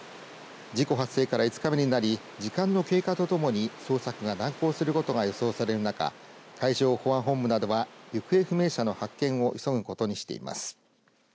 事故発生から５日目になり時間の経過とともに捜索が難航することが予想される中、海上保安本部などは行方不明者の発見を急ぐことにしています。